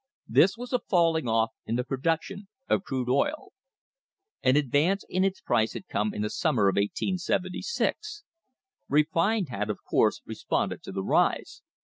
This was a falling off in the pro duction of crude oil. An advance in its price had come in the summer of 1876. Refined had, of course, responded to the rise.